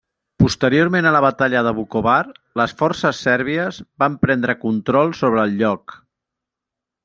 Posteriorment a la Batalla de Vukovar, les forces sèrbies van prendre control sobre el lloc.